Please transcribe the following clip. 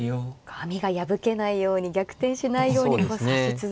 紙が破けないように逆転しないように指し続ける。